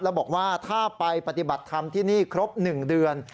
แล้วบอกว่าถ้าไปปฏิบัติธรรมที่นี่ครบ๑เดือน